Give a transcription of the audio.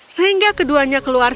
sehingga keduanya keluar